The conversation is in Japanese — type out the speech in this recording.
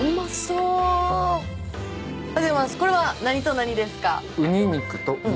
これは何と何ですか？